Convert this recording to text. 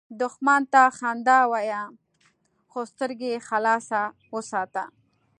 دښمن ته خندا وایه، خو سترګې خلاصه وساته